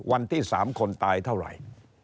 วันที่๓คนตายเท่าไหร่